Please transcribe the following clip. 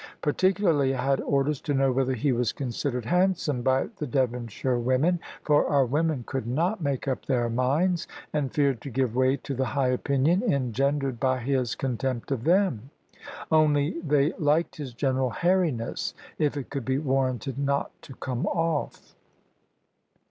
Particularly, I had orders to know whether he was considered handsome by the Devonshire women. For our women could not make up their minds, and feared to give way to the high opinion engendered by his contempt of them. Only they liked his general hairiness, if it could be warranted not to come off.